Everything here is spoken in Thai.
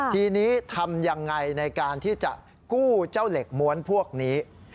ทีนี้ทำยังไงในการที่จะกู้เจ้าเหล็กม้วนพวกนี้